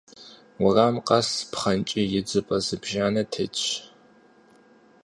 Уэрам къэс пхъэнкӏий идзыпӏэ зыбжанэ тетщ.